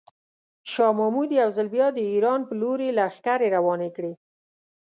شاه محمود یو ځل بیا د ایران په لوري لښکرې روانې کړې.